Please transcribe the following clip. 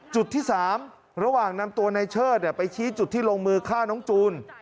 จุดที่๓ระหว่างนำตัวในเชิดไปชี้จุดที่ลงมือฆ่าน้องจูน